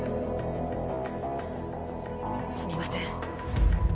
すみません。